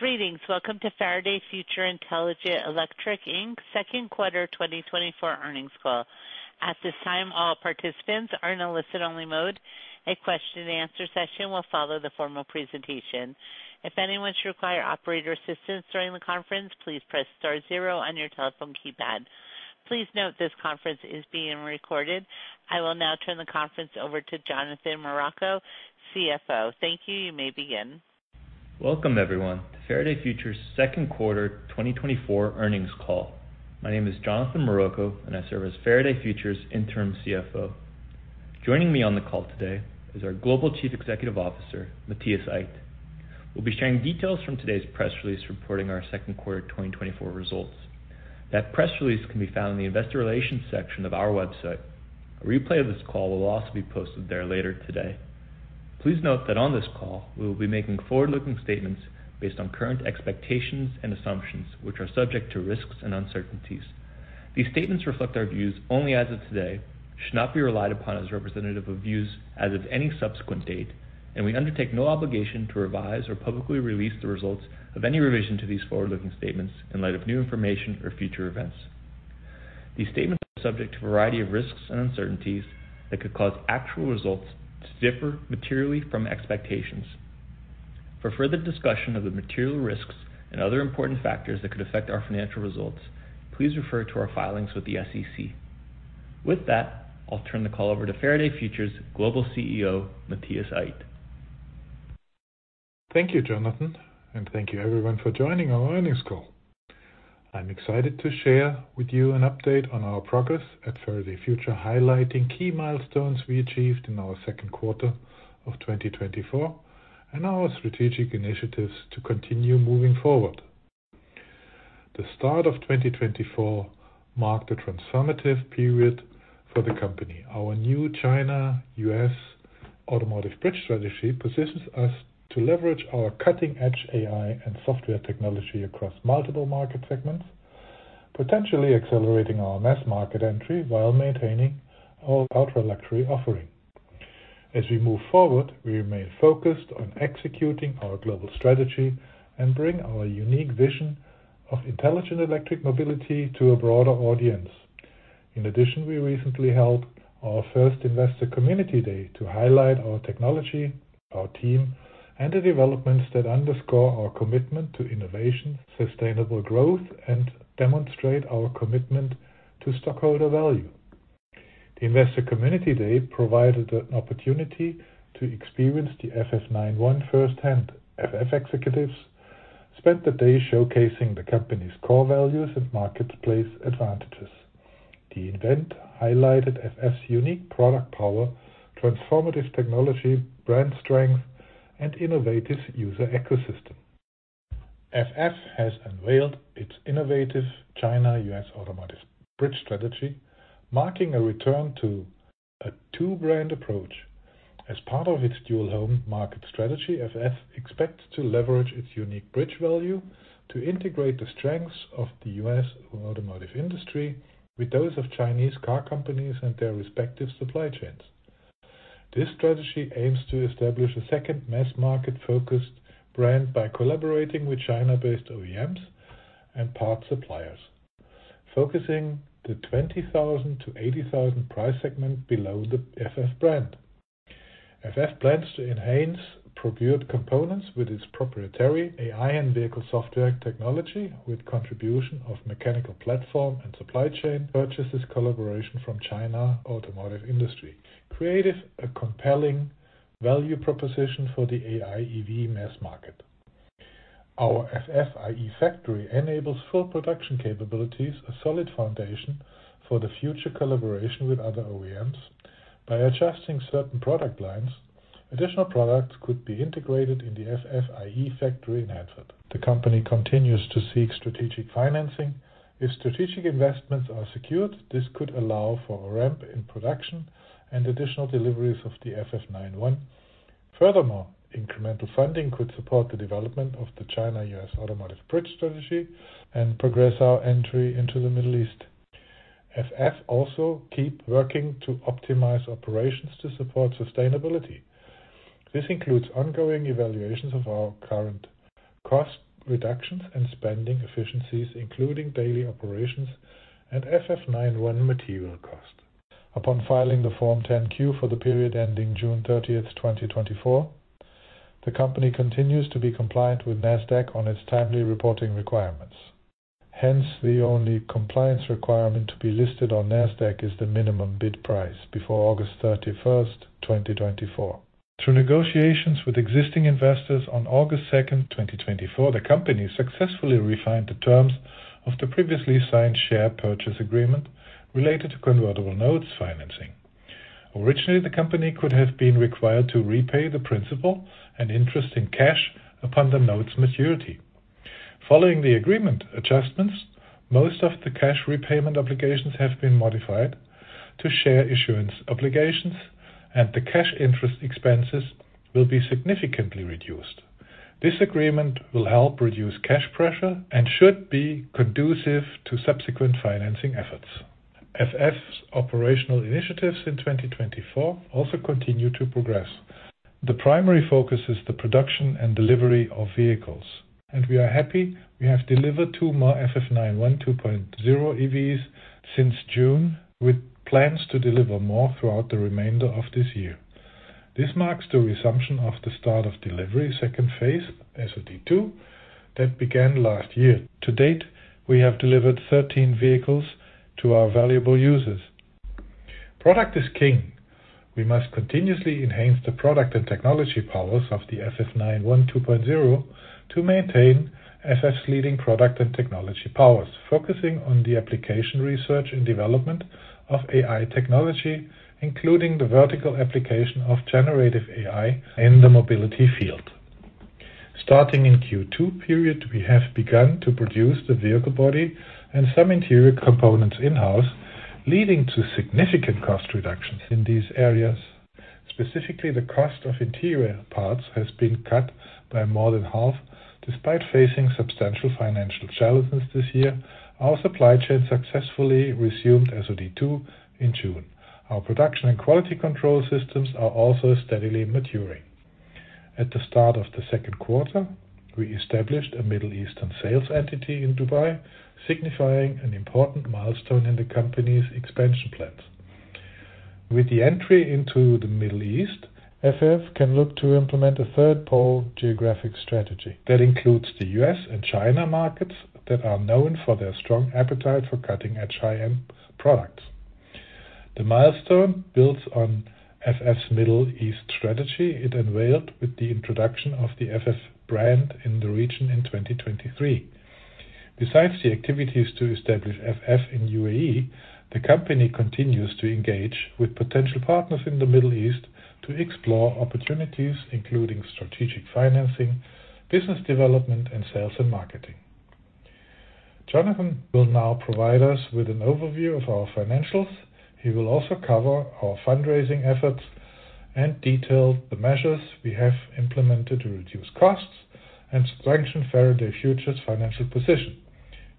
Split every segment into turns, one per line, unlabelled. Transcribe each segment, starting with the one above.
Greetings! Welcome to Faraday Future Intelligent Electric Inc. second quarter 2024 earnings call. At this time, all participants are in a listen-only mode. A question-and-answer session will follow the formal presentation. If anyone should require operator assistance during the conference, please press star zero on your telephone keypad. Please note this conference is being recorded. I will now turn the conference over to Jonathan Maroko, CFO. Thank you. You may begin.
Welcome, everyone, to Faraday Future's second quarter 2024 earnings call. My name is Jonathan Maroko, and I serve as Faraday Future's Interim CFO. Joining me on the call today is our Global Chief Executive Officer, Matthias Aydt. We'll be sharing details from today's press release reporting our second quarter 2024 results. That press release can be found in the investor relations section of our website. A replay of this call will also be posted there later today. Please note that on this call, we will be making forward-looking statements based on current expectations and assumptions, which are subject to risks and uncertainties. These statements reflect our views only as of today, should not be relied upon as representative of views as of any subsequent date, and we undertake no obligation to revise or publicly release the results of any revision to these forward-looking statements in light of new information or future events. These statements are subject to a variety of risks and uncertainties that could cause actual results to differ materially from expectations. For further discussion of the material risks and other important factors that could affect our financial results, please refer to our filings with the SEC. With that, I'll turn the call over to Faraday Future's Global CEO, Matthias Aydt.
Thank you, Jonathan, and thank you everyone for joining our earnings call. I'm excited to share with you an update on our progress at Faraday Future, highlighting key milestones we achieved in our second quarter of 2024, and our strategic initiatives to continue moving forward. The start of 2024 marked a transformative period for the company. Our new China-U.S. Automotive Bridge Strategy positions us to leverage our cutting-edge AI and software technology across multiple market segments, potentially accelerating our mass market entry while maintaining our ultra-luxury offering. As we move forward, we remain focused on executing our global strategy and bring our unique vision of intelligent electric mobility to a broader audience. In addition, we recently held our first Investor Community Day to highlight our technology, our team, and the developments that underscore our commitment to innovation, sustainable growth, and demonstrate our commitment to stockholder value. The Investor Community Day provided an opportunity to experience the FF 91 firsthand. FF executives spent the day showcasing the company's core values and marketplace advantages. The event highlighted FF's unique product power, transformative technology, brand strength, and innovative user ecosystem. FF has unveiled its innovative China-U.S. Automotive Bridge Strategy, marking a return to a two-brand approach. As part of its dual home market strategy, FF expects to leverage its unique bridge value to integrate the strengths of the U.S. automotive industry with those of Chinese car companies and their respective supply chains. This strategy aims to establish a second mass market-focused brand by collaborating with China-based OEMs and parts suppliers, focusing the $20,000 to $80,000 price segment below the FF brand. FF plans to enhance procured components with its proprietary AI and vehicle software technology, with contribution of mechanical platform and supply chain purchases collaboration from China automotive industry, creating a compelling value proposition for the AIEV mass market. Our FF ieFactory enables full production capabilities, a solid foundation for the future collaboration with other OEMs. By adjusting certain product lines, additional products could be integrated in the FF ieFactory in Hanford. The company continues to seek strategic financing. If strategic investments are secured, this could allow for a ramp in production and additional deliveries of the FF 91. Furthermore, incremental funding could support the development of the China-U.S. Automotive Bridge Strategy and progress our entry into the Middle East. FF also keep working to optimize operations to support sustainability. This includes ongoing evaluations of our current cost reductions and spending efficiencies, including daily operations and FF 91 material cost. Upon filing the Form 10-Q for the period ending June 30, 2024, the company continues to be compliant with NASDAQ on its timely reporting requirements. Hence, the only compliance requirement to be listed on NASDAQ is the minimum bid price before August 31, 2024. Through negotiations with existing investors on August 2, 2024, the company successfully refined the terms of the previously signed share purchase agreement related to convertible notes financing. Originally, the company could have been required to repay the principal and interest in cash upon the notes maturity. Following the agreement adjustments, most of the cash repayment obligations have been modified to share issuance obligations, and the cash interest expenses will be significantly reduced. This agreement will help reduce cash pressure and should be conducive to subsequent financing efforts. FF's operational initiatives in 2024 also continue to progress. The primary focus is the production and delivery of vehicles, and we are happy we have delivered 2 more FF 91 2.0 EVs since June, with plans to deliver more throughout the remainder of this year. This marks the resumption of the Start of Delivery Second Phase, SOD 2, that began last year. To date, we have delivered 13 vehicles to our valuable users. Product is king. We must continuously enhance the product and technology powers of the FF 91 2.0 to maintain FF's leading product and technology powers, focusing on the application, research, and development of AI technology, including the vertical application of generative AI in the mobility field. Starting in Q2 period, we have begun to produce the vehicle body and some interior components in-house, leading to significant cost reductions in these areas. Specifically, the cost of interior parts has been cut by more than half. Despite facing substantial financial challenges this year, our supply chain successfully resumed SOD 2 in June. Our production and quality control systems are also steadily maturing. At the start of the second quarter, we established a Middle Eastern sales entity in Dubai, signifying an important milestone in the company's expansion plans. With the entry into the Middle East, FF can look to implement a third pole geographic strategy that includes the U.S. and China markets that are known for their strong appetite for cutting-edge high-end products. The milestone builds on FF's Middle East strategy it unveiled with the introduction of the FF brand in the region in 2023. Besides the activities to establish FF in UAE, the company continues to engage with potential partners in the Middle East to explore opportunities, including strategic financing, business development, and sales and marketing. Jonathan will now provide us with an overview of our financials. He will also cover our fundraising efforts and detail the measures we have implemented to reduce costs and strengthen Faraday Future's financial position.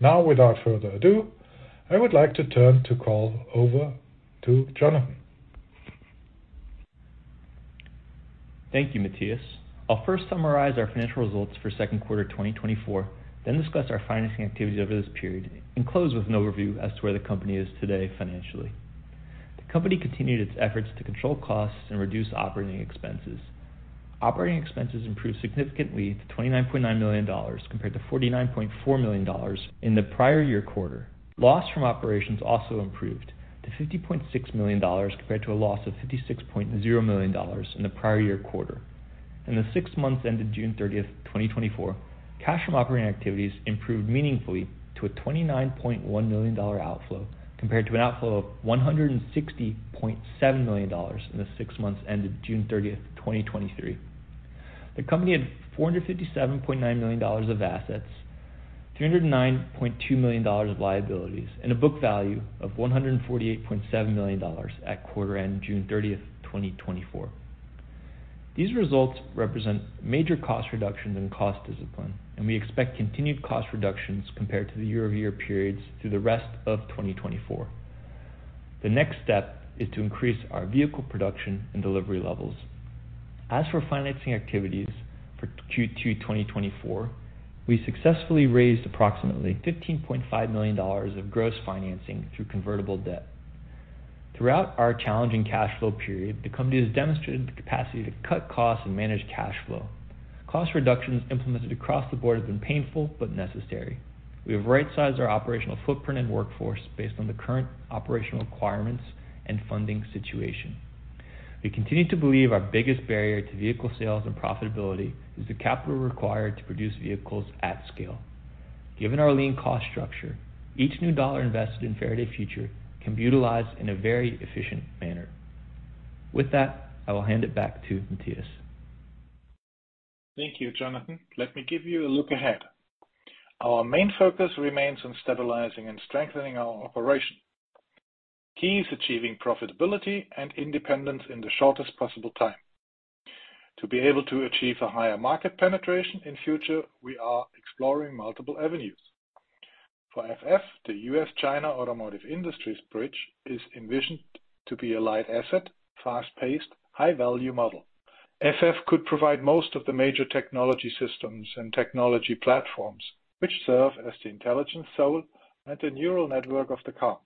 Now, without further ado, I would like to turn to call over to Jonathan.
Thank you, Matthias. I'll first summarize our financial results for second quarter 2024, then discuss our financing activities over this period, and close with an overview as to where the company is today financially. The company continued its efforts to control costs and reduce operating expenses. Operating expenses improved significantly to $29.9 million, compared to $49.4 million in the prior year quarter. Loss from operations also improved to $50.6 million, compared to a loss of $56.0 million in the prior year quarter. In the six months ended June 30, 2024, cash from operating activities improved meaningfully to a $29.1 million outflow, compared to an outflow of $160.7 million in the six months ended June 30, 2023. The company had $457.9 million of assets, $309.2 million of liabilities, and a book value of $148.7 million at quarter end June 30, 2024. These results represent major cost reductions and cost discipline, and we expect continued cost reductions compared to the year-over-year periods through the rest of 2024. The next step is to increase our vehicle production and delivery levels. As for financing activities for Q2 2024, we successfully raised approximately $15.5 million of gross financing through convertible debt. Throughout our challenging cash flow period, the company has demonstrated the capacity to cut costs and manage cash flow. Cost reductions implemented across the board have been painful but necessary. We have right-sized our operational footprint and workforce based on the current operational requirements and funding situation. We continue to believe our biggest barrier to vehicle sales and profitability is the capital required to produce vehicles at scale. Given our lean cost structure, each new dollar invested in Faraday Future can be utilized in a very efficient manner. With that, I will hand it back to Matthias.
Thank you, Jonathan. Let me give you a look ahead. Our main focus remains on stabilizing and strengthening our operation. Key is achieving profitability and independence in the shortest possible time. To be able to achieve a higher market penetration in future, we are exploring multiple avenues. For FF, the U.S.-China automotive industries bridge is envisioned to be a light asset, fast-paced, high-value model. FF could provide most of the major technology systems and technology platforms, which serve as the intelligent soul and the neural network of the car.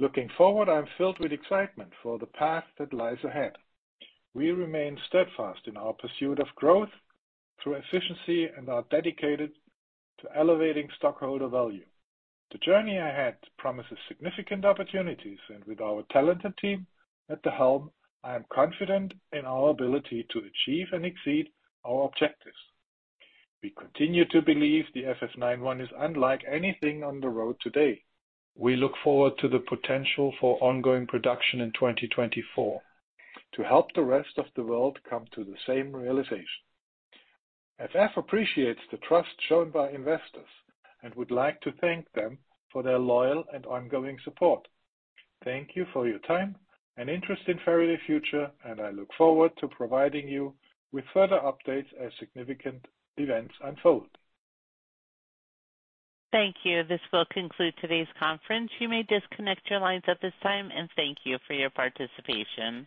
Looking forward, I'm filled with excitement for the path that lies ahead. We remain steadfast in our pursuit of growth through efficiency and are dedicated to elevating stockholder value. The journey ahead promises significant opportunities, and with our talented team at the helm, I am confident in our ability to achieve and exceed our objectives. We continue to believe the FF 91 is unlike anything on the road today. We look forward to the potential for ongoing production in 2024 to help the rest of the world come to the same realization. FF appreciates the trust shown by investors and would like to thank them for their loyal and ongoing support. Thank you for your time and interest in Faraday Future, and I look forward to providing you with further updates as significant events unfold.
Thank you. This will conclude today's conference. You may disconnect your lines at this time, and thank you for your participation.